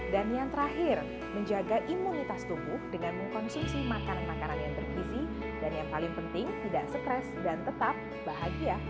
dan yang terakhir menjaga imunitas tubuh dengan mengkonsumsi makanan makanan yang terkisi dan yang paling penting tidak stres dan tetap bahagia